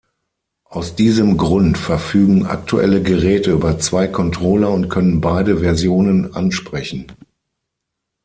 Aus diesem Grund verfügen aktuelle Geräte über zwei Controller und können beide Versionen ansprechen.